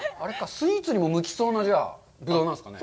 スイーツにも向きそうなぶどうなんですかね。